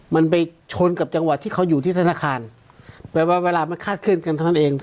มันไปชนกับจังหวะที่เขาอยู่ที่ธนาคารแต่ว่าเวลามันคาดขึ้นกันทั้งนั้นเอง